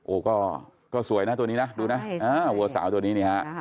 โอ้ก็ก็สวยน่ะตัวนี้น่ะดูน่ะใช่อ่าหัวสาวตัวนี้เนี่ยฮะ